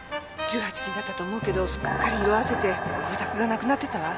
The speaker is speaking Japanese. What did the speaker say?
１８金だったと思うけどすっかり色あせて光沢がなくなってたわ。